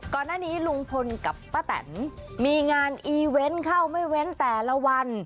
ก่อนหน้านี้ลุงพลกับป้าแตนมีงานอีเวนต์เข้าไม่เว้นแต่ละวัน